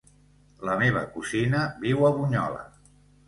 La meva cosina viu a Bunyola.